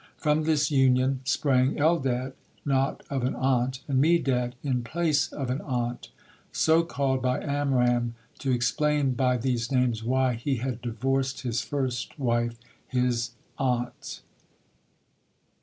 From this union sprang Eldad, "not of an aunt," and Medad, "in place of an aunt," so called by Amram to explain by these names why he had divorced his first wife, his aunt.